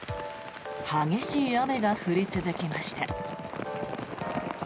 激しい雨が降り続きました。